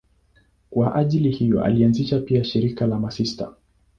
Kwa ajili hiyo alianzisha pia shirika la masista.